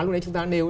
lúc nãy chúng ta nêu